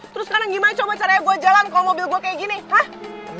terus kan gimana coba caranya gua jalan kalo mobil gua kayak gini hah